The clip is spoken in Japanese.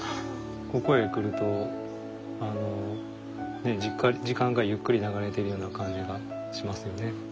ここへ来ると時間がゆっくり流れてるような感じがしますよね。